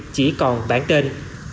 chỉ còn bán tên